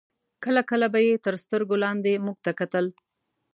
کله کله به یې تر سترګو لاندې موږ ته کتل.